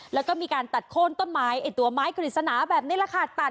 แล้วก็มีการตัดโค้นต้นไม้ไอ้ตัวไม้กฤษณาแบบนี้แหละค่ะ